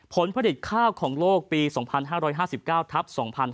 ผลผลิตข้าวของโลกปี๒๕๕๙ทับ๒๕๕๙